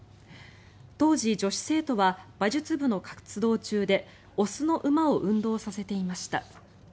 当時、女子生徒は馬術部の活動中でおすの馬を運動させていました。